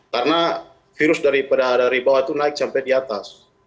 karena virus daripada dari bawah itu naik sampai di atas